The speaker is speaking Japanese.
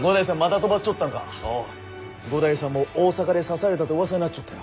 五代さんも大阪で刺されたとうわさになっちょったよ。